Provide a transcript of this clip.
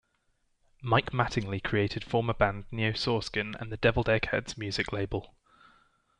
Mike Mattingly created former band Neosoreskin and the Deviled Egg Heads Music label.